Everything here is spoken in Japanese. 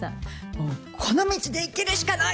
もうこの道で生きるしかない！